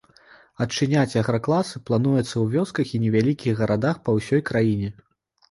Адчыняць агракласы плануецца ў вёсках і невялікіх гарадах па ўсёй краіне.